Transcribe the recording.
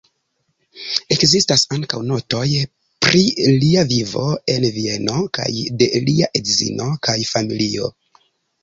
Ekzistas ankaŭ notoj pri lia vivo en Vieno kaj de lia edzino kaj familio.